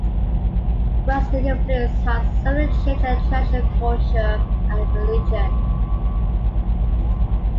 Western influence has severely changed their traditional culture and religion.